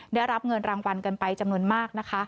ได้รับเงินรางวัลกันไปจำนวนมากนะคะ